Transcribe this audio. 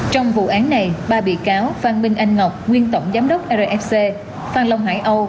trong vụ án này ba bị cáo phan minh anh ngọc nguyên tổng giám đốc rfc phan long hải âu